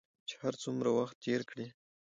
چې هر څومره وخت تېر کړې